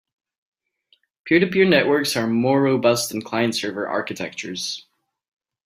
Peer-to-peer networks are more robust than client-server architectures.